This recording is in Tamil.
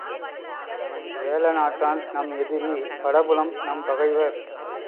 வேழநாட்டான் நம் எதிரி!... வடபுலம் நம் பகைவர்!